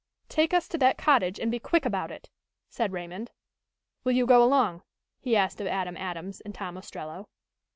"Take us to that cottage and be quick about it," said Raymond. "Will you go along?" he asked of Adam Adams and Tom Ostrello.